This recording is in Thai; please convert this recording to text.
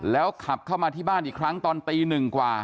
แล้วขับเข้ามาที่บ้านอีกครั้งตอนตีหนึ่งกว่า